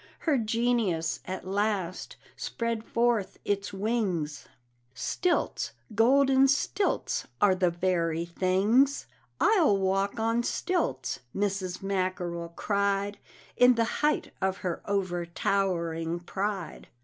Her genius, at last, spread forth its wings Stilts, golden stilts, are the very things "I'll walk on stilts," Mrs. Mackerel cried, In the height of her overtowering pride.